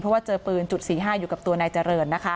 เพราะว่าเจอปืนจุด๔๕อยู่กับตัวนายเจริญนะคะ